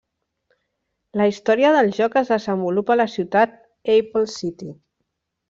La història del joc es desenvolupa a la ciutat Apple City.